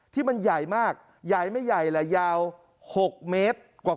ที่มันใหญ่มากใหญ่ไม่ใหญ่แหละยาว๖เมตรกว่า